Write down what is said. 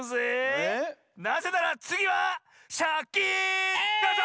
なぜならつぎは「シャキーン！」どうぞ！